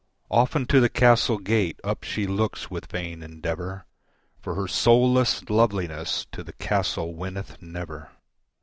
Often to the castle gate up she looks with vain endeavour, For her soulless loveliness to the castle winneth never.